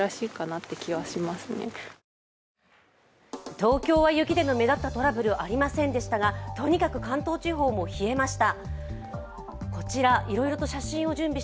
東京は雪での目立ったトラブルはありませんでしたが、とにかく関東地方も冷えました。